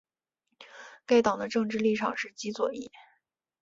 该党的政治立场是极左翼。